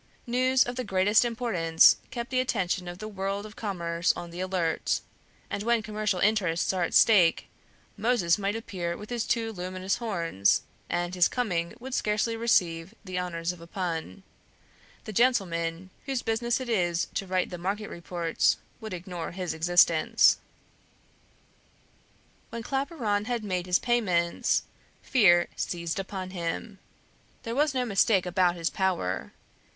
News of the greatest importance kept the attention of the world of commerce on the alert; and when commercial interests are at stake, Moses might appear with his two luminous horns, and his coming would scarcely receive the honors of a pun; the gentlemen whose business it is to write the Market Reports would ignore his existence. When Claparon had made his payments, fear seized upon him. There was no mistake about his power.